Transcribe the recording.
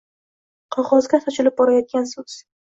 qogʼozga sochilib borayotgan soʼz